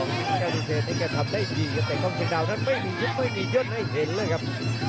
มีเศรษฐ์นี่ก็ทำได้ดีแต่ต้มชิงดาวนั้นไม่มียุทธ์ไม่มียุทธ์ให้เห็นเลยครับ